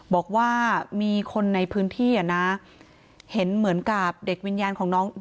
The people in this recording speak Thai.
บอกว่ามีคนในพื้นที่อ่ะนะเห็นเหมือนกับเด็กวิญญาณของน้อง